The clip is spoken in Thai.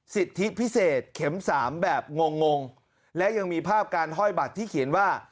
สิทธิพิเศษเข็มสามแบบงงงและยังมีภาพการห้อยบัตรที่เขียนว่า